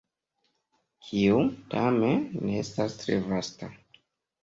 Kiu, tamen, ne estas tre vasta.